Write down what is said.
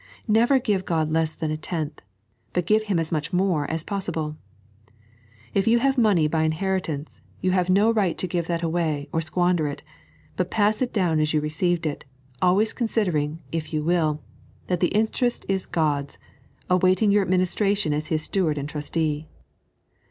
Never give God less than a tenth, but give Him as much more as possible. If you have money by inherit ance, you have no right to give that away or squander it ; but pass it down as you received it, always considering, if you will, that the interest is God's, awaiting your adminis tration as His steward and trustee.